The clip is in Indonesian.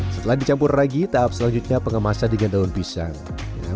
setelah dicampur ragi tahap selanjutnya pengemasan dengan daun pisang